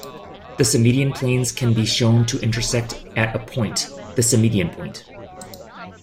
The symmedian planes can be shown to intersect at a point, the symmedian point.